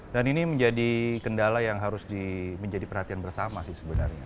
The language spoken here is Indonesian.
dan ini menjadi kendala yang harus menjadi perhatian bersama sebenarnya